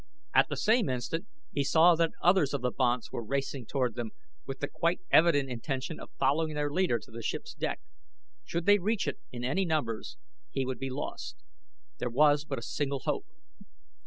At the same instant he saw that others of the banths were racing toward them with the quite evident intention of following their leader to the ship's deck. Should they reach it in any numbers he would be lost. There was but a single hope.